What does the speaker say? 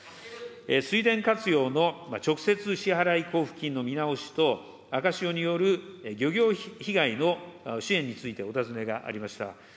水田活用の直接支払い交付金の見直しと、赤潮による漁業被害の支援についてお尋ねがありました。